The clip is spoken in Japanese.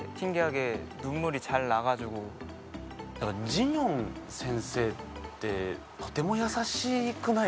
ジニョン先生ってとても優しくないですか？